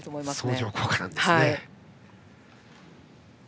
相乗効果なんですね。